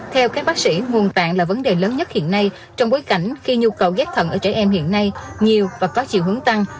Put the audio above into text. theo các bác sĩ nguồn tạng là vấn đề lớn nhất hiện nay trong bối cảnh khi nhu cầu ghép thận ở trẻ em hiện nay nhiều và có chiều hướng tăng